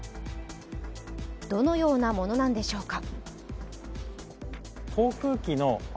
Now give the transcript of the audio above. どのようなものなんでしょうか。